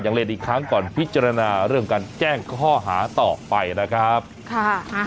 เรียนอีกครั้งก่อนพิจารณาเรื่องการแจ้งข้อหาต่อไปนะครับค่ะ